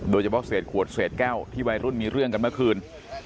โดยเฉพาะเศษขวดเศษแก้วที่วัยรุ่นมีเรื่องกันเมื่อคืน